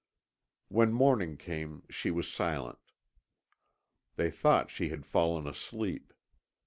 When morning came she was silent. They thought she had fallen asleep.